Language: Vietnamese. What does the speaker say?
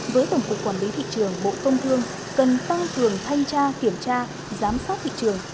với tổng cục quản lý thị trường bộ công thương cần tăng cường thanh tra kiểm tra giám sát thị trường